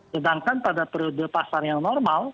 sedangkan pada periode pasar yang normal